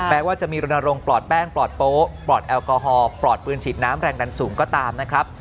ว่าจะมีรณรงคลอดแป้งปลอดโป๊ปลอดแอลกอฮอล์ปลอดปืนฉีดน้ำแรงดันสูงก็ตามนะครับ